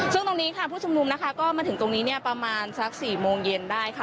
ซึ่งตรงนี้ค่ะผู้ชุมนุมนะคะก็มาถึงตรงนี้เนี่ยประมาณสัก๔โมงเย็นได้ค่ะ